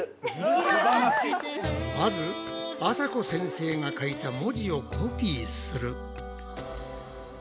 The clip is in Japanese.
まずあさこ先生が書いた文字をコピーする。